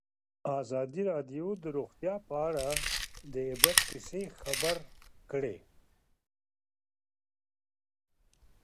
ازادي راډیو د روغتیا په اړه د عبرت کیسې خبر کړي.